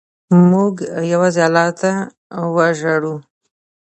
موږ یوازې الله ته وژاړو.